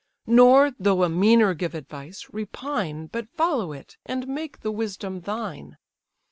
Nor, though a meaner give advice, repine, But follow it, and make the wisdom thine.